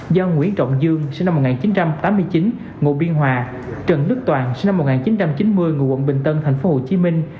do nguyễn trọng dương sinh năm một nghìn chín trăm tám mươi chín ngụ biên hòa trần đức toàn sinh năm một nghìn chín trăm chín mươi ngụ quận bình tân thành phố hồ chí minh